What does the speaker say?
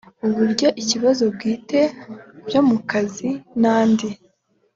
uburyo ibibazo bwite byo mu kazi n andi